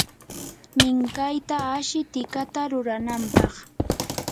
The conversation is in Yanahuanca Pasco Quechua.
minkayta ashi tikata ruranampaq.